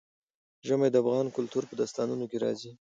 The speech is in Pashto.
ژمی د افغان کلتور په داستانونو کې راځي.